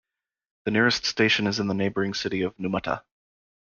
The nearest station is in the neighboring city of Numata.